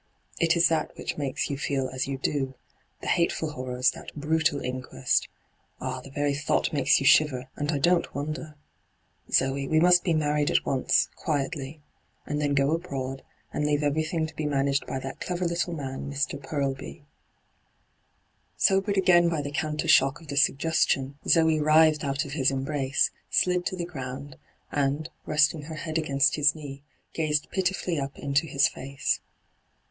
It is that which makes you feel as you do —■ the hateftil horrors, that brutal inquest. Ah, the very thought makes you shiver, and I don't wonder ! Zoe, we must be married at once, quietly — and then go abroad, and leave everything to be managed by that clever little man, Mr. Porlby.* hyGoo>^lc ENTRAPPED 1 1 1 Sobered again by the countershook of the suggestion, Zoe writhed out of his embrace, slid to the ground, and, resting her head against his knee, gazed pitifully up into his &ce.